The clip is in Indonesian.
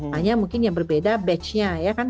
hanya mungkin yang berbeda batchnya ya kan